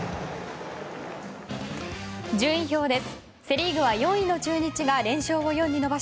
順位表です。